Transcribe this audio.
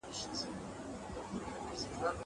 که وخت وي، مېوې وچوم!